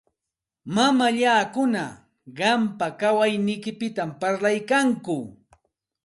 Mamallakuna qampa kawayniykipita parlaykanku.